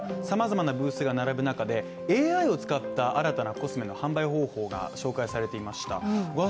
様々なブースが並ぶ中で、ＡＩを使った新たなコスメの販売方法が紹介されました。